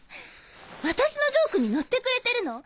私のジョークに乗ってくれてるの？